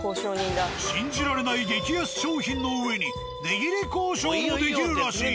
信じられない激安商品のうえに値切り交渉もできるらしい。